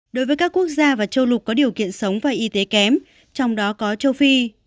đối với các quốc gia và châu lục có điều kiện sống và y tế kém trong đó có châu phi